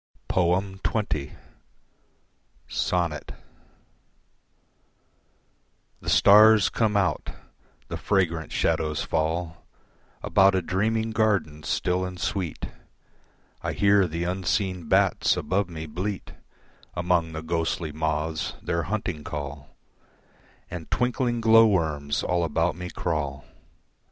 . XX. Sonnet The stars come out; the fragrant shadows fall About a dreaming garden still and sweet, I hear the unseen bats above me bleat Among the ghostly moths their hunting call, And twinkling glow worms all about me crawl.